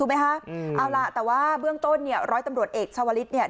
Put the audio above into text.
ไหมคะเอาล่ะแต่ว่าเบื้องต้นเนี่ยร้อยตำรวจเอกชาวลิศเนี่ย